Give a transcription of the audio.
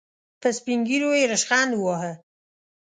په سپين ږيرو يې ريشخند وواهه.